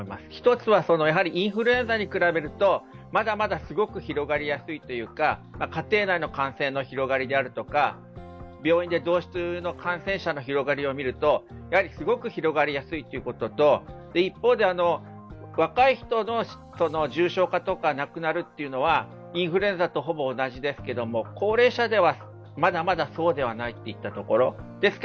１つはインフルエンザに比べるとまだまだすごく広がりやすいというか、家庭内の感染の広がりであるとか病院で同室の感染者の広がりを見ると、すごく広がりやすいということと、一方で、若い人の重症化などがなくなるというのはインフルエンザとほぼ同じですけれども高齢者はまだまだそうではないといったところです。